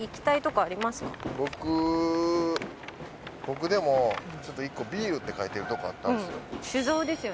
僕僕でもちょっと１個ビールって書いてるとこあったんですよ。